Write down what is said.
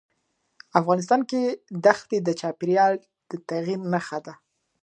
افغانستان کې دښتې د چاپېریال د تغیر نښه ده.